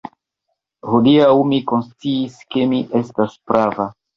Hodiaŭ mi konsciis, ke mi estas prava!